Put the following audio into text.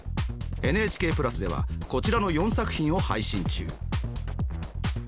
ＮＨＫプラスではこちらの４作品を配信中。